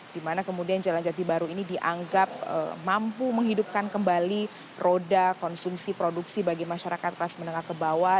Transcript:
dimana kemudian jalan jati baru ini dianggap mampu menghidupkan kembali roda konsumsi produksi bagi masyarakat kelas menengah ke bawah